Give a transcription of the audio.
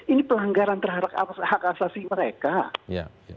ini pelanggaran terhadap hak asasi mereka